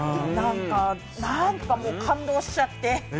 なんか感動しちゃって。